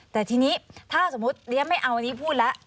แต่ทีนี้ถ้าสมมุติเรียนไม่เอาอันนี้พูดแล้ว